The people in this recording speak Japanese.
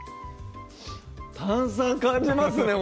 炭酸感じますね